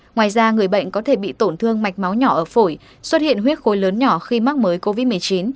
ngoài ra người bệnh có thể bị tổn thương mạch máu nhỏ ở phổi xuất hiện huyết khối lớn nhỏ khi mắc mới covid một mươi chín